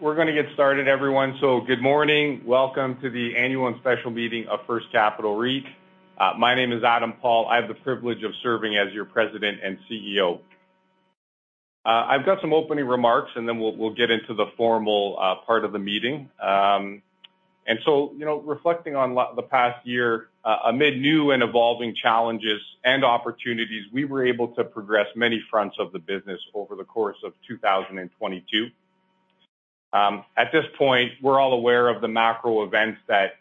We're gonna get started everyone. Good morning. Welcome to the Annual and Special Meeting of First Capital REIT. My name is Adam Paul. I have the privilege of serving as your President and CEO. I've got some opening remarks, we'll get into the formal part of the meeting. You know, reflecting on the past year, amid new and evolving challenges and opportunities, we were able to progress many fronts of the business over the course of 2022. At this point, we're all aware of the macro events that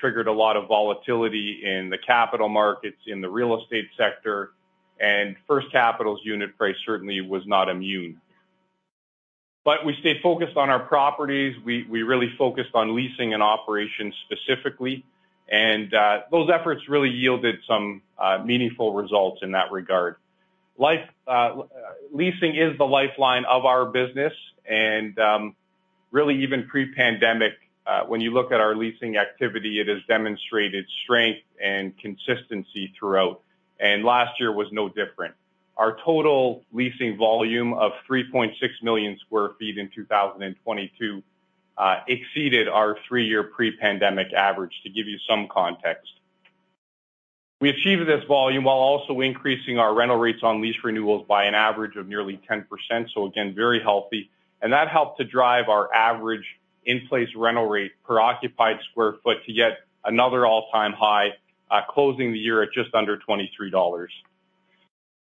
triggered a lot of volatility in the capital markets, in the real estate sector, First Capital's unit price certainly was not immune. We stayed focused on our properties. We really focused on leasing and operations specifically. Those efforts really yielded some meaningful results in that regard. Life, leasing is the lifeline of our business, and really even pre-pandemic, when you look at our leasing activity, it has demonstrated strength and consistency throughout, and last year was no different. Our total leasing volume of 3.6 million square feet in 2022 exceeded our 3-year pre-pandemic average, to give you some context. We achieved this volume while also increasing our rental rates on lease renewals by an average of nearly 10%, so again, very healthy. That helped to drive our average in-place rental rate per occupied square foot to yet another all-time high, closing the year at just under $23.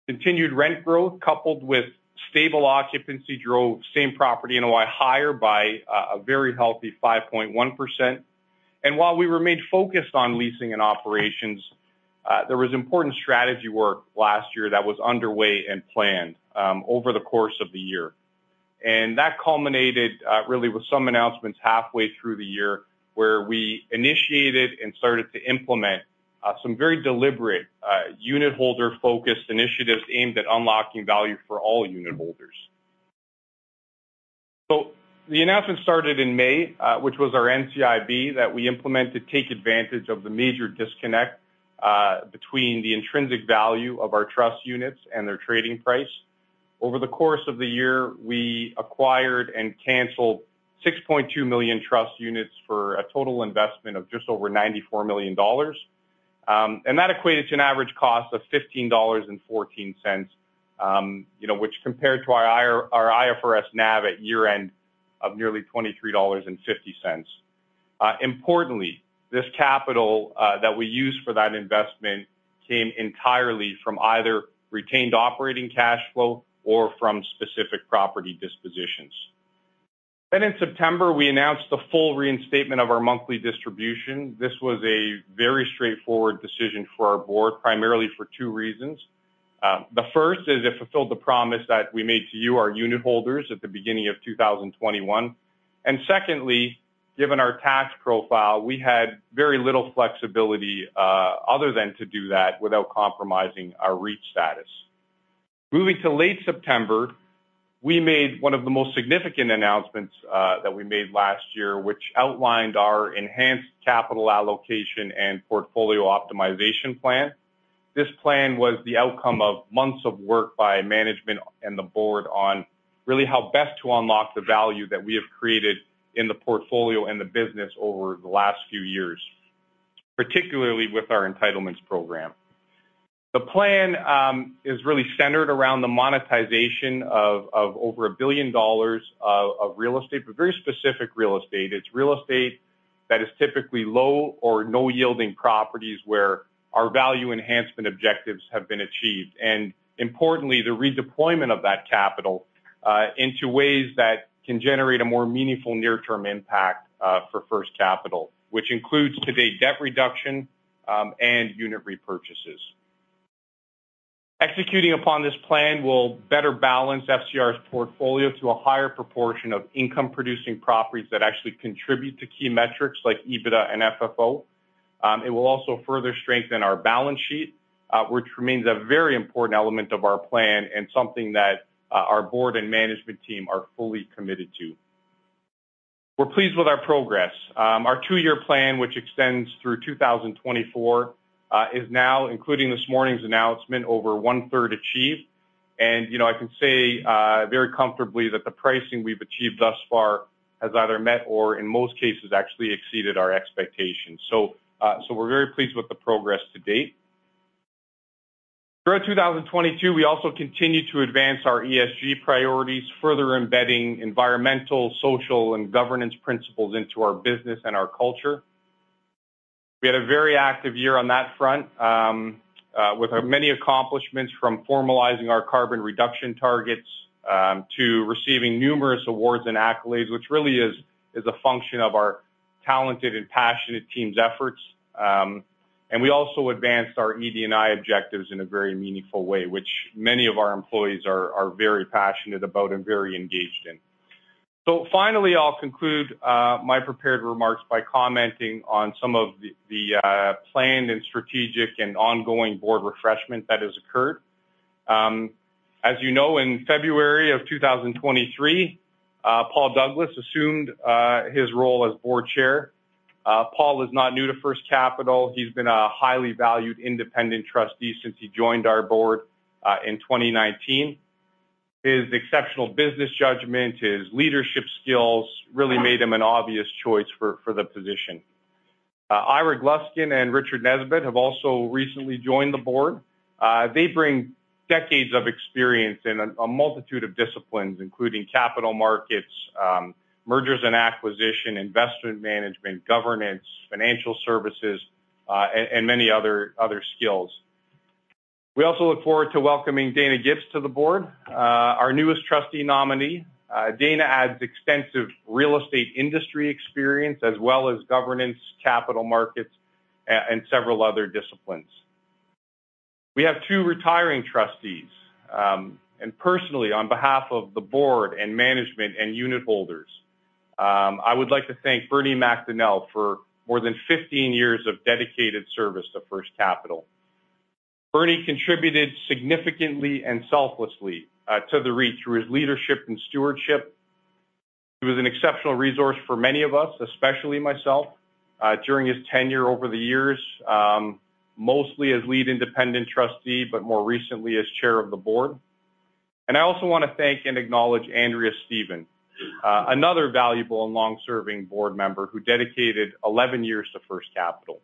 Continued rent growth, coupled with stable occupancy drove Same-Property NOI higher by a very healthy 5.1%. While we remained focused on leasing and operations, there was important strategy work last year that was underway and planned over the course of the year. That culminated really with some announcements halfway through the year, where we initiated and started to implement some very deliberate unitholder-focused initiatives aimed at unlocking value for all unitholders. The announcement started in May, which was our NCIB that we implemented to take advantage of the major disconnect between the intrinsic value of our trust units and their trading price. Over the course of the year, we acquired and canceled 6.2 million trust units for a total investment of just over 94 million dollars. That equated to an average cost of 15.14 dollars, you know, which compared to our IFRS NAV at year-end of nearly 23.50 dollars. Importantly, this capital that we used for that investment came entirely from either retained operating cash flow or from specific property dispositions. In September, we announced the full reinstatement of our monthly distribution. This was a very straightforward decision for our board, primarily for two reasons. The first is it fulfilled the promise that we made to you, our unitholders, at the beginning of 2021. Secondly, given our tax profile, we had very little flexibility other than to do that without compromising our REIT status. Moving to late September, we made one of the most significant announcements that we made last year, which outlined our enhanced capital allocation and portfolio optimization plan. This plan was the outcome of months of work by management and the board on really how best to unlock the value that we have created in the portfolio and the business over the last few years, particularly with our entitlements program. The plan is really centered around the monetization of over 1 billion dollars of real estate, but very specific real estate. It's real estate that is typically low or no-yielding properties where our value enhancement objectives have been achieved, and importantly, the redeployment of that capital into ways that can generate a more meaningful near-term impact for First Capital, which includes today debt reduction and unit repurchases. Executing upon this plan will better balance FCR's portfolio to a higher proportion of income-producing properties that actually contribute to key metrics like EBITDA and FFO. It will also further strengthen our balance sheet, which remains a very important element of our plan and something that our board and management team are fully committed to. We're pleased with our progress. Our two-year plan, which extends through 2024, is now including this morning's announcement over one-third achieved. You know, I can say very comfortably that the pricing we've achieved thus far has either met or in most cases actually exceeded our expectations. We're very pleased with the progress to date. Throughout 2022, we also continued to advance our ESG priorities, further embedding environmental, social, and governance principles into our business and our culture. We had a very active year on that front, with our many accomplishments from formalizing our carbon reduction targets, to receiving numerous awards and accolades, which really is a function of our talented and passionate team's efforts. We also advanced our ED&I objectives in a very meaningful way, which many of our employees are very passionate about and very engaged in. Finally, I'll conclude my prepared remarks by commenting on some of the planned and strategic and ongoing board refreshment that has occurred. As you know, in February of 2023, Paul Douglas assumed his role as board chair. Paul is not new to First Capital. He's been a highly valued independent trustee since he joined our board in 2019. His exceptional business judgment, his leadership skills really made him an obvious choice for the position. Ira Gluskin and Richard Nesbitt have also recently joined the board. They bring decades of experience in a multitude of disciplines, including capital markets, mergers and acquisition, investment management, governance, financial services, and many other skills. We also look forward to welcoming Dana Gibbs to the board, our newest trustee nominee. Dana adds extensive real estate industry experience as well as governance, capital markets, and several other disciplines. We have two retiring trustees. Personally, on behalf of the board and management and unitholders, I would like to thank Bernard McDonell for more than 15 years of dedicated service to First Capital. Bernie contributed significantly and selflessly to the REIT through his leadership and stewardship. He was an exceptional resource for many of us, especially myself, during his tenure over the years, mostly as lead independent trustee, but more recently as chair of the board. I also wanna thank and acknowledge Andrea Stephen, another valuable and long-serving board member who dedicated 11 years to First Capital.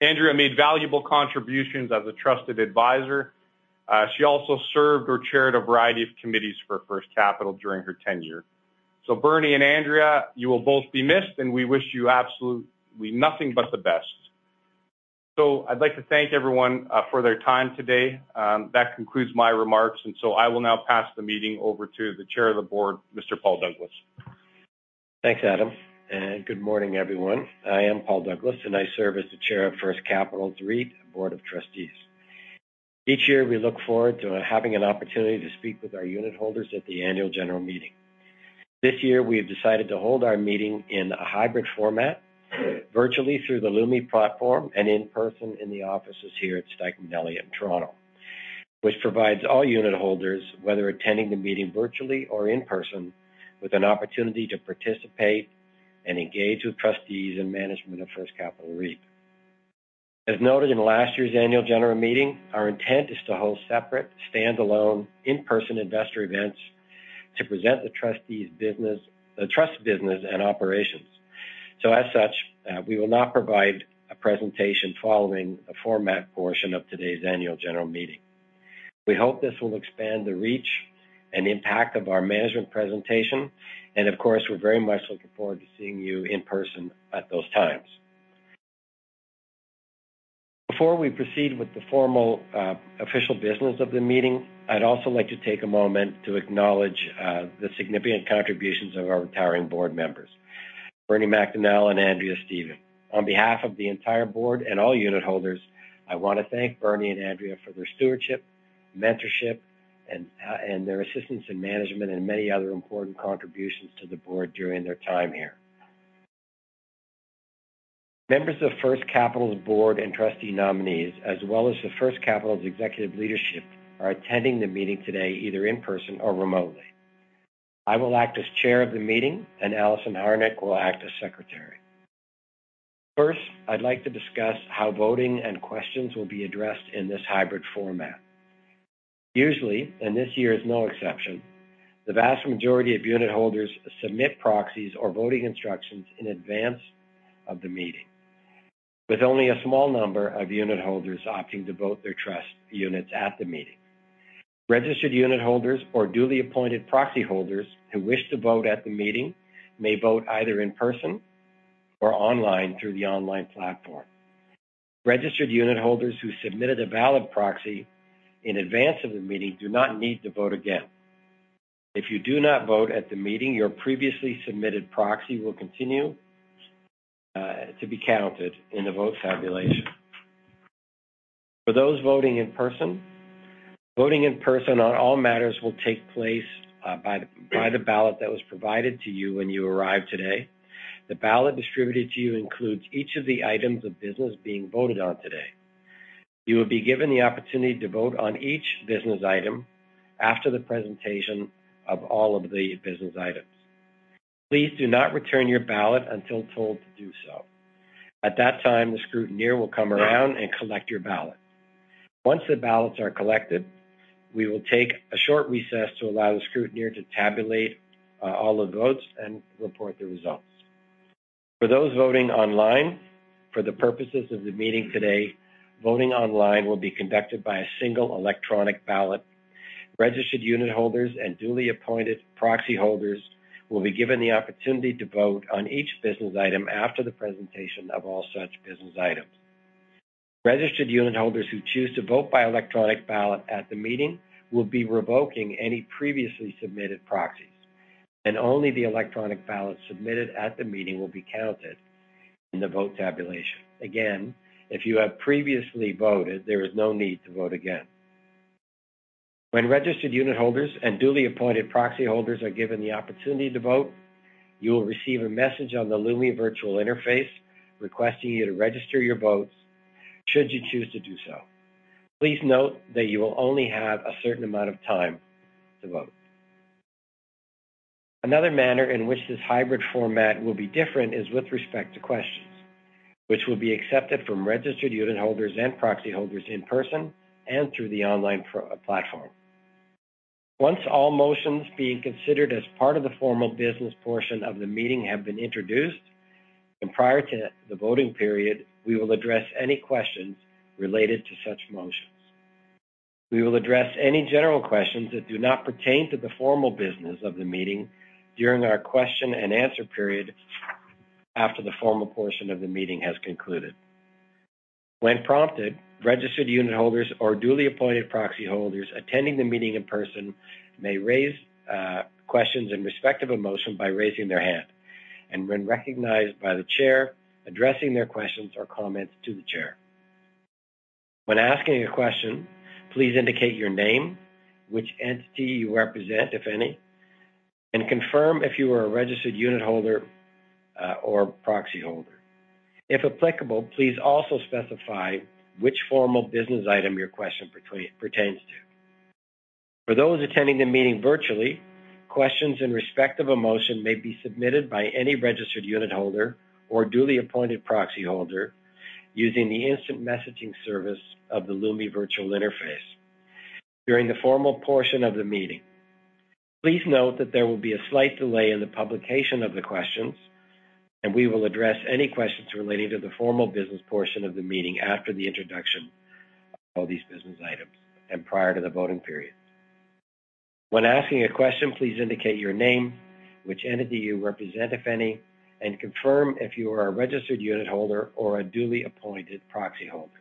Andrea made valuable contributions as a trusted advisor. She also served or chaired a variety of committees for First Capital during her tenure. Bernie and Andrea, you will both be missed, and we wish you absolutely nothing but the best. I'd like to thank everyone for their time today. That concludes my remarks. I will now pass the meeting over to the Chair of the Board, Mr. Paul Douglas. Thanks, Adam. Good morning, everyone. I am Paul Douglas, and I serve as the Chair of First Capital REIT Board of Trustees. Each year, we look forward to having an opportunity to speak with our unitholders at the annual general meeting. This year, we have decided to hold our meeting in a hybrid format, virtually through the Lumi platform and in person in the offices here at Stikeman Elliott in Toronto, which provides all unitholders, whether attending the meeting virtually or in person, with an opportunity to participate and engage with trustees and management of First Capital REIT. As noted in last year's annual general meeting, our intent is to hold separate standalone in-person investor events to present the trust business and operations. As such, we will not provide a presentation following a format portion of today's annual general meeting. We hope this will expand the reach and impact of our management presentation. Of course, we're very much looking forward to seeing you in person at those times. Before we proceed with the formal official business of the meeting, I'd also like to take a moment to acknowledge the significant contributions of our retiring board members, Bernie McDonell and Andrea Stephen. On behalf of the entire board and all unitholders, I wanna thank Bernie and Andrea for their stewardship, mentorship, and their assistance in management and many other important contributions to the board during their time here. Members of First Capital's board and trustee nominees, as well as the First Capital's executive leadership, are attending the meeting today, either in person or remotely. I will act as chair of the meeting, and Alison Harnick will act as secretary. First, I'd like to discuss how voting and questions will be addressed in this hybrid format. Usually, and this year is no exception, the vast majority of unitholders submit proxies or voting instructions in advance of the meeting, with only a small number of unitholders opting to vote their trust units at the meeting. Registered unitholders or duly appointed proxy holders who wish to vote at the meeting may vote either in person or online through the online platform. Registered unitholders who submitted a valid proxy in advance of the meeting do not need to vote again. If you do not vote at the meeting, your previously submitted proxy will continue to be counted in the vote tabulation. For those voting in person, voting in person on all matters will take place by the ballot that was provided to you when you arrived today. The ballot distributed to you includes each of the items of business being voted on today. You will be given the opportunity to vote on each business item after the presentation of all of the business items. Please do not return your ballot until told to do so. At that time, the scrutineer will come around and collect your ballot. Once the ballots are collected, we will take a short recess to allow the scrutineer to tabulate all the votes and report the results. For those voting online, for the purposes of the meeting today, voting online will be conducted by a single electronic ballot. Registered unitholders and duly appointed proxy holders will be given the opportunity to vote on each business item after the presentation of all such business items. Registered Unitholders who choose to vote by electronic ballot at the meeting will be revoking any previously submitted proxies, and only the electronic ballot submitted at the meeting will be counted in the vote tabulation. Again, if you have previously voted, there is no need to vote again. When registered unitholders and duly appointed proxy holders are given the opportunity to vote, you will receive a message on the Lumi virtual interface requesting you to register your votes should you choose to do so. Please note that you will only have a certain amount of time to vote. Another manner in which this hybrid format will be different is with respect to questions which will be accepted from registered unitholders and proxy holders in person and through the online platform. Once all motions being considered as part of the formal business portion of the meeting have been introduced and prior to the voting period, we will address any questions related to such motions. We will address any general questions that do not pertain to the formal business of the meeting during our question and answer period after the formal portion of the meeting has concluded. When prompted, registered unitholders or duly appointed proxy holders attending the meeting in person may raise questions in respect of a motion by raising their hand, and when recognized by the chair, addressing their questions or comments to the chair. When asking a question, please indicate your name, which entity you represent, if any, and confirm if you are a registered unitholder or proxy holder. If applicable, please also specify which formal business item your question pertains to. For those attending the meeting virtually, questions in respect of a motion may be submitted by any registered unitholder or duly appointed proxy holder using the instant messaging service of the Lumi Virtual interface during the formal portion of the meeting. Please note that there will be a slight delay in the publication of the questions, and we will address any questions relating to the formal business portion of the meeting after the introduction of these business items and prior to the voting period. When asking a question, please indicate your name, which entity you represent, if any, and confirm if you are a registered unitholder or a duly appointed proxy holder.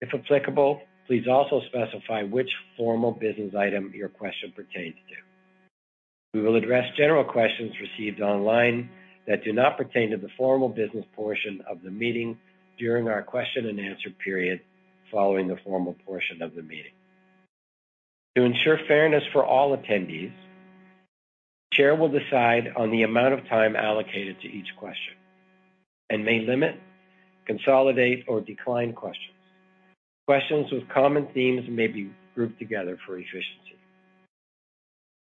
If applicable, please also specify which formal business item your question pertains to. We will address general questions received online that do not pertain to the formal business portion of the meeting during our question and answer period following the formal portion of the meeting. To ensure fairness for all attendees, Chair will decide on the amount of time allocated to each question and may limit, consolidate, or decline questions. Questions with common themes may be grouped together for efficiency.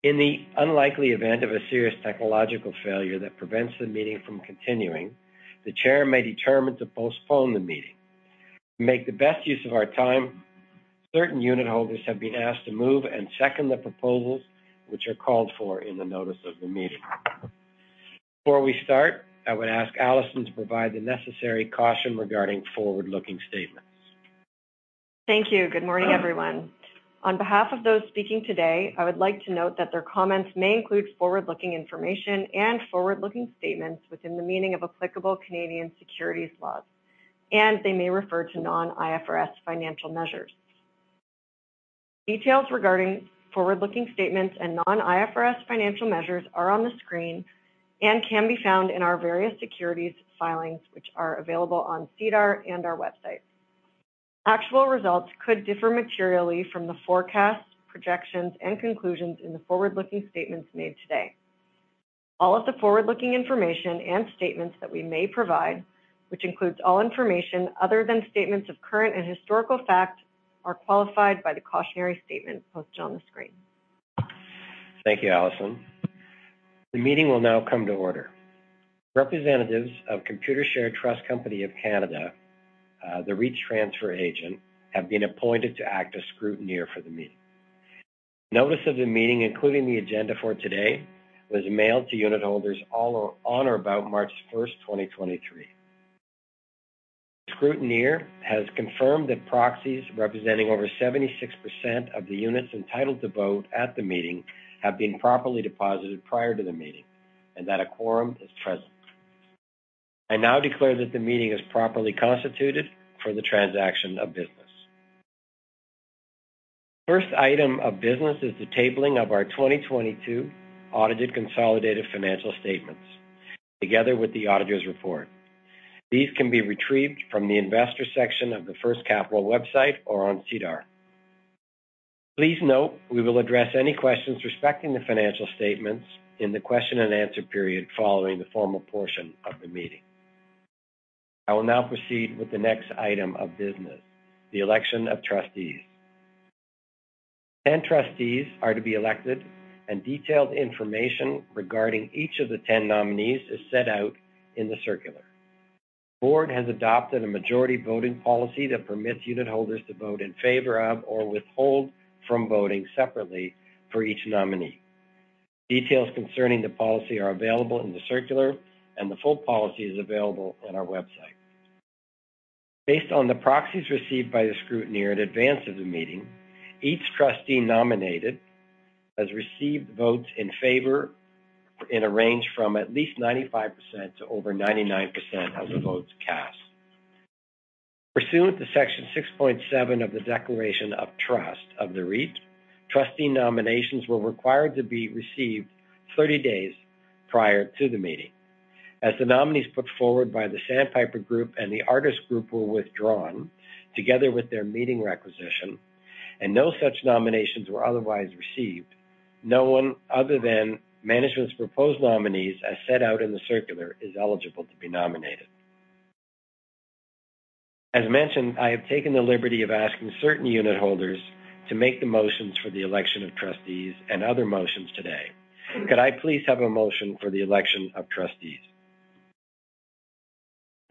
In the unlikely event of a serious technological failure that prevents the meeting from continuing, the Chair may determine to postpone the meeting. To make the best use of our time, certain unitholders have been asked to move and second the proposals which are called for in the notice of the meeting. Before we start, I would ask Allison to provide the necessary caution regarding forward-looking statements. Thank you. Good morning, everyone. On behalf of those speaking today, I would like to note that their comments may include forward-looking information and forward-looking statements within the meaning of applicable Canadian securities laws, and they may refer to non-IFRS financial measures. Details regarding forward-looking statements and non-IFRS financial measures are on the screen and can be found in our various securities filings, which are available on SEDAR and our website. Actual results could differ materially from the forecasts, projections, and conclusions in the forward-looking statements made today. All of the forward-looking information and statements that we may provide, which includes all information other than statements of current and historical fact, are qualified by the cautionary statement posted on the screen. Thank you, Allison. The meeting will now come to order. Representatives of Computershare Trust Company of Canada, the REIT's transfer agent, have been appointed to act as scrutineer for the meeting. Notice of the meeting, including the agenda for today, was mailed to unitholders on or about March 1, 2023. Scrutineer has confirmed that proxies representing over 76% of the units entitled to vote at the meeting have been properly deposited prior to the meeting and that a quorum is present. I now declare that the meeting is properly constituted for the transaction of business. First item of business is the tabling of our 2022 audited consolidated financial statements together with the auditor's report. These can be retrieved from the investor section of the First Capital website or on SEDAR. Please note, we will address any questions respecting the financial statements in the question and answer period following the formal portion of the meeting. I will now proceed with the next item of business, the election of trustees. 10 trustees are to be elected. Detailed information regarding each of the 10 nominees is set out in the circular. Board has adopted a majority voting policy that permits unitholders to vote in favor of or withhold from voting separately for each nominee. Details concerning the policy are available in the circular and the full policy is available on our website. Based on the proxies received by the scrutineer in advance of the meeting, each trustee nominated has received votes in favor in a range from at least 95% to over 99% of the votes cast. Pursuant to Section 6.7 of the Declaration of Trust of the REIT, trustee nominations were required to be received 30 days prior to the meeting. As the nominees put forward by the Sandpiper Group and the Artis Group were withdrawn together with their meeting requisition and no such nominations were otherwise received, no one other than management's proposed nominees, as set out in the circular, is eligible to be nominated. As mentioned, I have taken the liberty of asking certain unitholders to make the motions for the election of trustees and other motions today. Could I please have a motion for the election of trustees?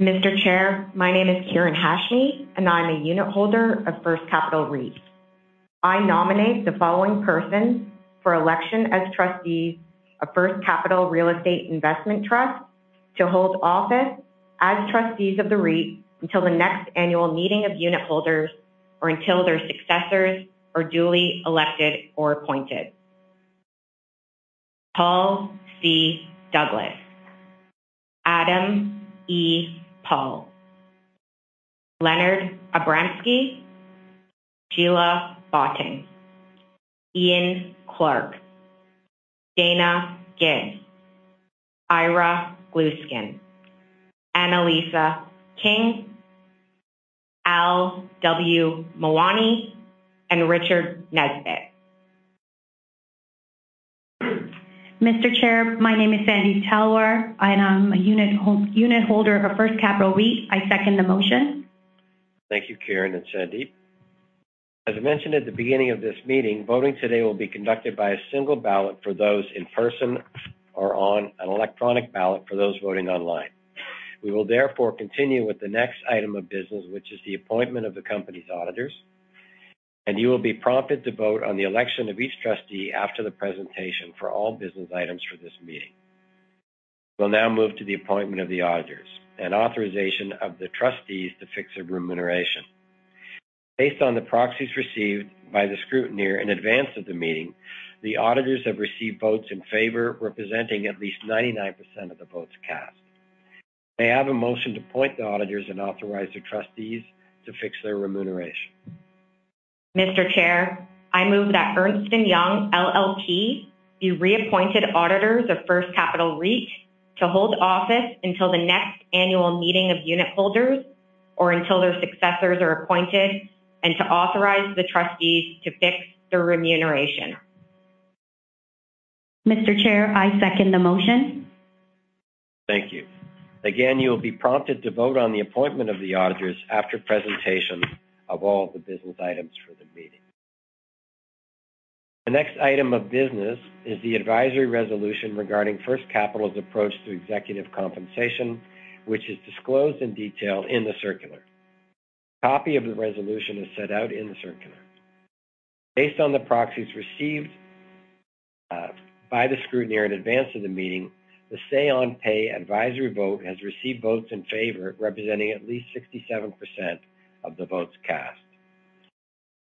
Mr. Chair, my name is Karen Hashmi. I'm a unitholder of First Capital REIT. I nominate the following persons for election as trustees of First Capital Real Estate Investment Trust to hold office as trustees of the REIT until the next annual meeting of unitholders or until their successors are duly elected or appointed. Paul C. Douglas, Adam E. Paul, Leonard Abramsky, Sheila Botting, Ian Clarke, Dana Ginn, Ira Gluskin, Annalisa King, Al W. Mawani, and Richard Nesbitt. Mr. Chair, my name is Sandeep Talwar, and I'm a unitholder of a First Capital REIT. I second the motion. Thank you, Karen and Sandeep. As mentioned at the beginning of this meeting, voting today will be conducted by a single ballot for those in person or on an electronic ballot for those voting online. We will therefore continue with the next item of business, which is the appointment of the company's auditors. You will be prompted to vote on the election of each trustee after the presentation for all business items for this meeting. We'll now move to the appointment of the auditors and authorization of the trustees to fix their remuneration. Based on the proxies received by the scrutineer in advance of the meeting, the auditors have received votes in favor representing at least 99% of the votes cast. May I have a motion to appoint the auditors and authorize the trustees to fix their remuneration? Mr. Chair, I move that Ernst & Young LLP be reappointed auditors of First Capital REIT to hold office until the next annual meeting of unitholders or until their successors are appointed and to authorize the trustees to fix their remuneration. Mr. Chair, I second the motion. Thank you. Again, you will be prompted to vote on the appointment of the auditors after presentation of all the business items for the meeting. The next item of business is the advisory resolution regarding First Capital's approach to executive compensation, which is disclosed in detail in the circular. A copy of the resolution is set out in the circular. Based on the proxies received by the scrutineer in advance of the meeting, the say on pay advisory vote has received votes in favor representing at least 67% of the votes cast.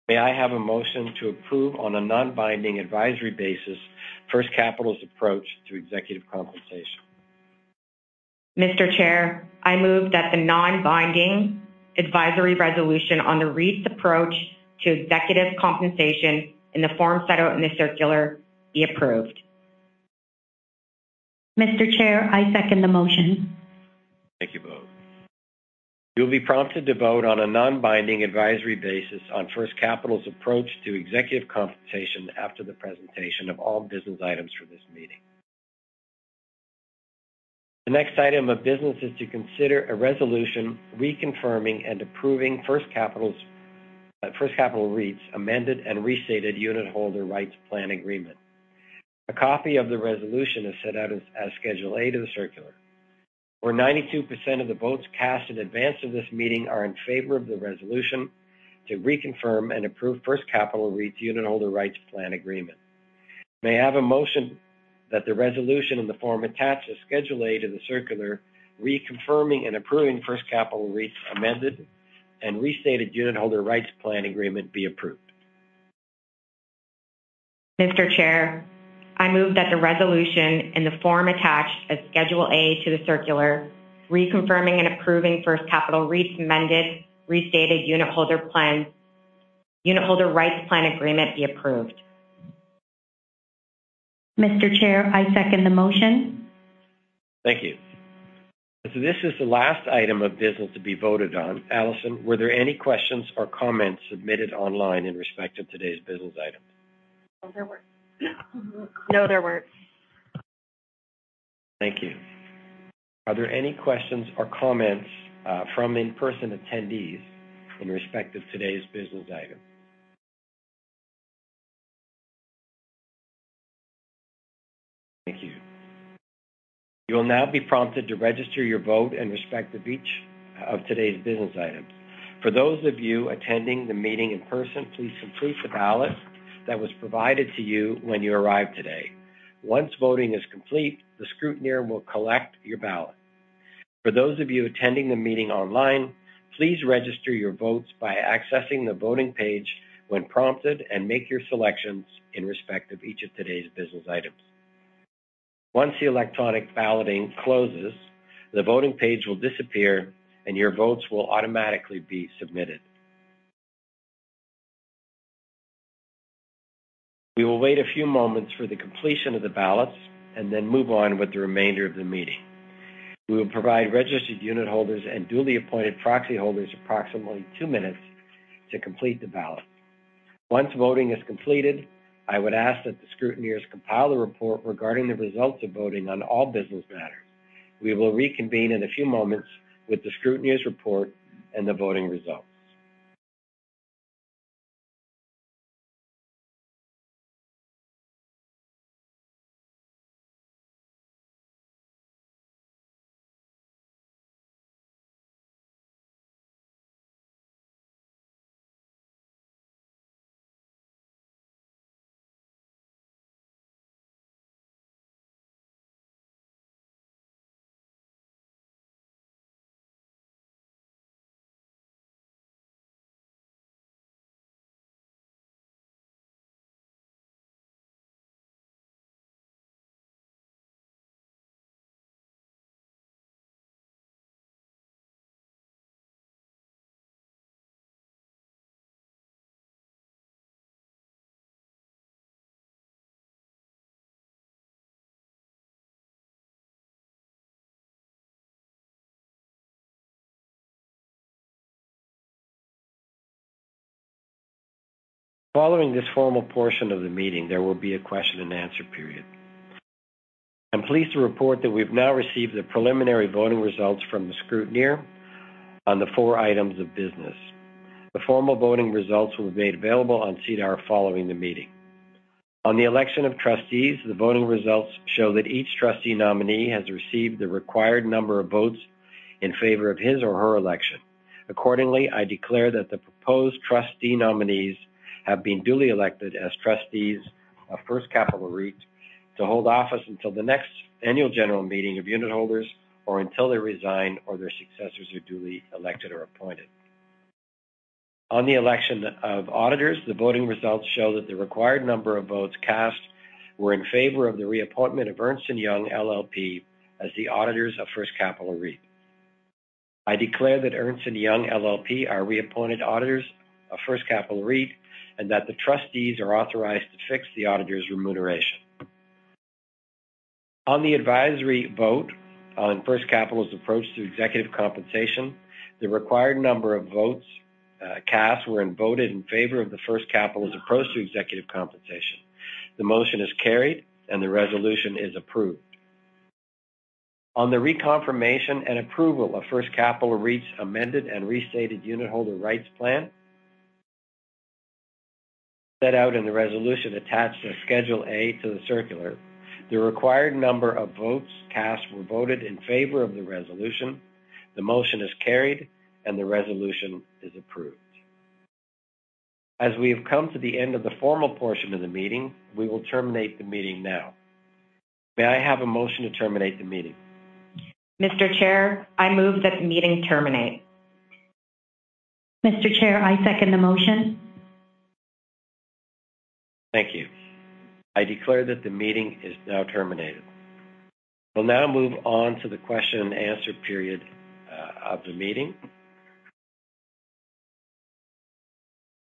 May I have a motion to approve on a non-binding advisory basis First Capital's approach to executive compensation? Mr. Chair, I move that the non-binding advisory resolution on the REIT's approach to executive compensation in the form set out in the circular be approved. Mr. Chair, I second the motion. Thank you both. You will be prompted to vote on a non-binding advisory basis on First Capital's approach to executive compensation after the presentation of all business items for this meeting. The next item of business is to consider a resolution reconfirming and approving First Capital REIT's amended and restated unitholder rights plan agreement. A copy of the resolution is set out as Schedule A to the circular. Over 92% of the votes cast in advance of this meeting are in favor of the resolution to reconfirm and approve First Capital REIT's unitholder rights plan agreement. May I have a motion that the resolution in the form attached as Schedule A to the circular reconfirming and approving First Capital REIT's amended and restated unitholder rights plan agreement be approved. Mr. Chair, I move that the resolution in the form attached as Schedule A to the circular reconfirming and approving First Capital REIT's amended restated unitholder plan, unitholder rights plan agreement be approved. Mr. Chair, I second the motion. Thank you. This is the last item of business to be voted on. Allison, were there any questions or comments submitted online in respect of today's business items? No, there weren't. Thank you. Are there any questions or comments from in-person attendees in respect of today's business items? Thank you. You will now be prompted to register your vote in respect of each of today's business items. For those of you attending the meeting in person, please complete the ballot that was provided to you when you arrived today. Once voting is complete, the scrutineer will collect your ballot. For those of you attending the meeting online, please register your votes by accessing the voting page when prompted and make your selections in respect of each of today's business items. Once the electronic balloting closes, the voting page will disappear and your votes will automatically be submitted. We will wait a few moments for the completion of the ballots and then move on with the remainder of the meeting. We will provide registered unitholders and duly appointed proxy holders approximately 2 minutes to complete the ballot. Once voting is completed, I would ask that the scrutineers compile a report regarding the results of voting on all business matters. We will reconvene in a few moments with the scrutineers report and the voting results. Following this formal portion of the meeting, there will be a question and answer period. I'm pleased to report that we've now received the preliminary voting results from the scrutineer on the 4 items of business. The formal voting results will be made available on SEDAR following the meeting. On the election of trustees, the voting results show that each trustee nominee has received the required number of votes in favor of his or her election. Accordingly, I declare that the proposed trustee nominees have been duly elected as trustees of First Capital REIT to hold office until the next annual general meeting of unitholders or until they resign or their successors are duly elected or appointed. On the election of auditors, the voting results show that the required number of votes cast were in favor of the reappointment of Ernst & Young LLP as the auditors of First Capital REIT. I declare that Ernst & Young LLP are reappointed auditors of First Capital REIT and that the trustees are authorized to fix the auditors remuneration. On the advisory vote on First Capital's approach to executive compensation, the required number of votes cast were voted in favor of the First Capital's approach to executive compensation. The motion is carried and the resolution is approved. On the reconfirmation and approval of First Capital REIT's amended and restated unitholder rights plan set out in the resolution attached to Schedule A to the circular. The required number of votes cast were voted in favor of the resolution. The motion is carried and the resolution is approved. As we have come to the end of the formal portion of the meeting, we will terminate the meeting now. May I have a motion to terminate the meeting? Mr. Chair, I move that the meeting terminate. Mr. Chair, I second the motion. Thank you. I declare that the meeting is now terminated. We'll now move on to the question and answer period of the meeting.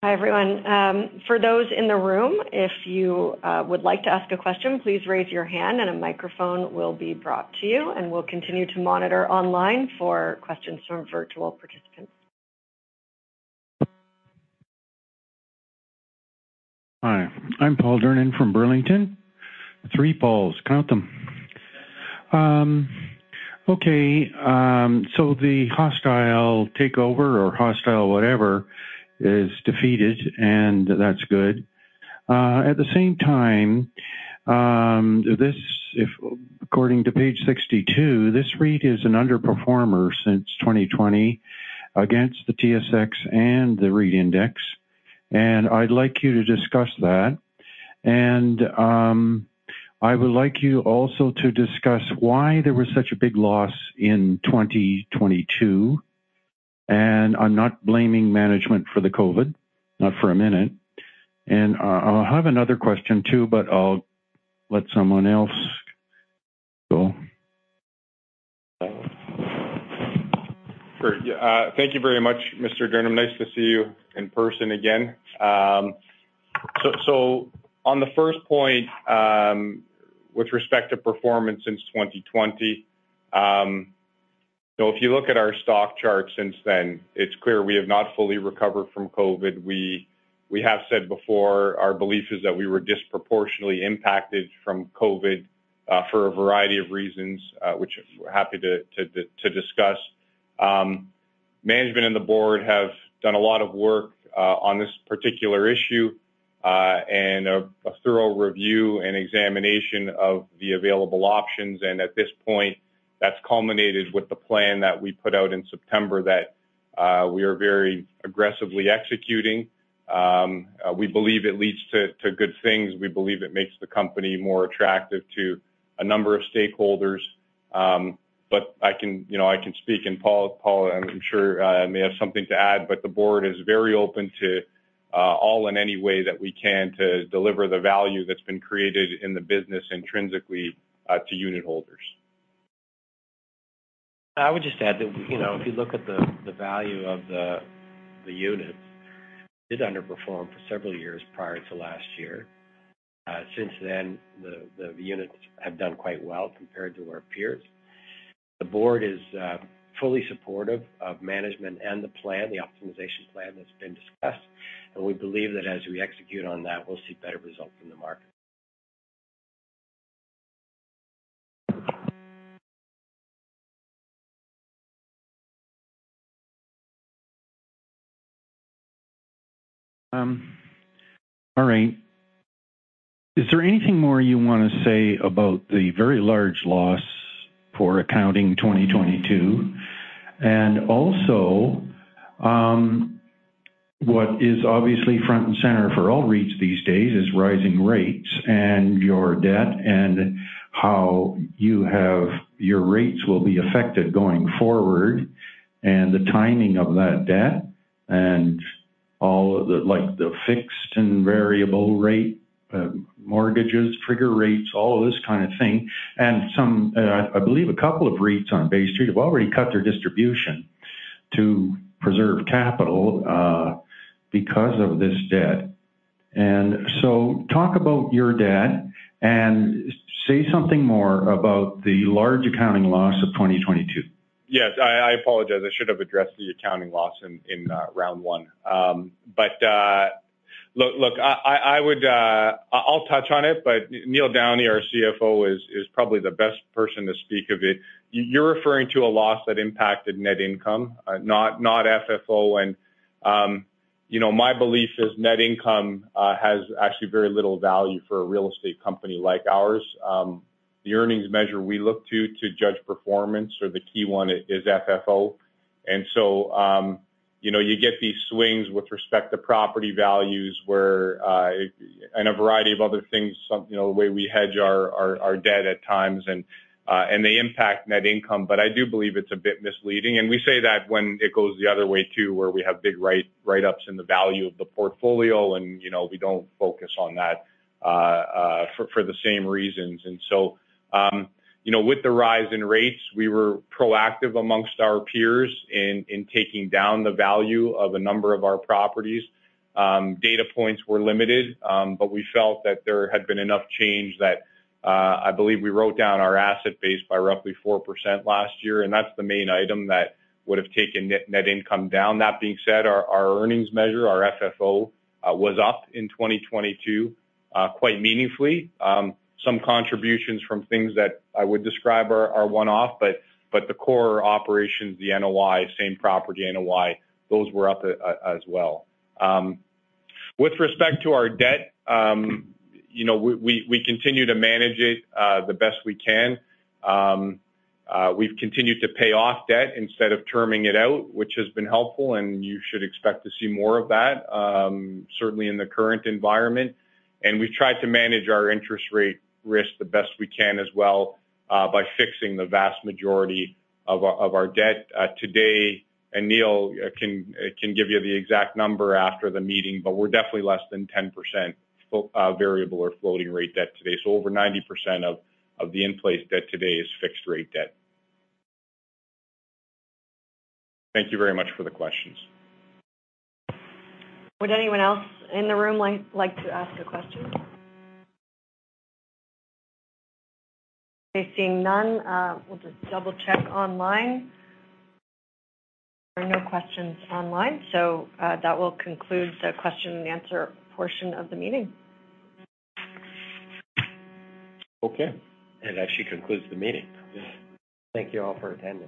Hi, everyone. For those in the room, if you would like to ask a question, please raise your hand and a microphone will be brought to you. We'll continue to monitor online for questions from virtual participants. Hi, I'm Paul Durnin from Burlington. Three Pauls, count them. Okay, the hostile takeover or hostile whatever is defeated, and that's good. At the same time, according to page 62, this REIT is an underperformer since 2020 against the TSX and the REIT index. I'd like you to discuss that. I would like you also to discuss why there was such a big loss in 2022. I'm not blaming management for the COVID, not for a minute. I have another question too, but I'll let someone else go. Sure. Thank you very much, Mr. Durnin. Nice to see you in person again. On the first point, with respect to performance since 2020, if you look at our stock chart since then, it's clear we have not fully recovered from COVID. We have said before, our belief is that we were disproportionately impacted from COVID for a variety of reasons, which we're happy to discuss. Management and the board have done a lot of work on this particular issue, and a thorough review and examination of the available options. At this point, that's culminated with the plan that we put out in September that we are very aggressively executing. We believe it leads to good things. We believe it makes the company more attractive to a number of stakeholders. I can, you know, I can speak, and Paul, I'm sure, may have something to add. The board is very open to all in any way that we can to deliver the value that's been created in the business intrinsically to unitholders. I would just add that, you know, if you look at the value of the units, it underperformed for several years prior to last year. Since then, the units have done quite well compared to our peers. The board is fully supportive of management and the plan, the optimization plan that's been discussed. We believe that as we execute on that, we'll see better results from the market. All right. Is there anything more you wanna say about the very large loss for accounting 2022? What is obviously front and center for all REITs these days is rising rates and your debt and how your rates will be affected going forward and the timing of that debt and all of the, like, the fixed and variable rate mortgages, trigger rates, all of this kind of thing. Some, I believe a couple of REITs on Bay Street have already cut their distribution to preserve capital because of this debt. Talk about your debt and say something more about the large accounting loss of 2022. Yes. I apologize, I should have addressed the accounting loss in round one. Look, I'll touch on it, but Neil Downey, our CFO, is probably the best person to speak of it. You're referring to a loss that impacted net income, not FFO. You know, my belief is net income has actually very little value for a real estate company like ours. The earnings measure we look to judge performance or the key one is FFO. You know, you get these swings with respect to property values where, and a variety of other things, some, you know, the way we hedge our debt at times and they impact net income. I do believe it's a bit misleading, and we say that when it goes the other way too, where we have big write-ups in the value of the portfolio and, you know, we don't focus on that for the same reasons. You know, with the rise in rates, we were proactive amongst our peers in taking down the value of a number of our properties. Data points were limited, but we felt that there had been enough change that I believe we wrote down our asset base by roughly 4% last year, and that's the main item that would've taken net income down. That being said, our earnings measure, our FFO, was up in 2022 quite meaningfully. Some contributions from things that I would describe are one-off, but the core operations, the NOI, Same-Property NOI, those were up as well. With respect to our debt, you know, we continue to manage it the best we can. We've continued to pay off debt instead of terming it out, which has been helpful, and you should expect to see more of that certainly in the current environment. We've tried to manage our interest rate risk the best we can as well, by fixing the vast majority of our debt today. Neil can give you the exact number after the meeting, but we're definitely less than 10% variable or floating rate debt today. Over 90% of the in-place debt today is fixed rate debt. Thank you very much for the questions. Would anyone else in the room like to ask a question? Okay. Seeing none, we'll just double-check online. There are no questions online. That will conclude the question and answer portion of the meeting. Okay. That actually concludes the meeting. Thank you all for attending.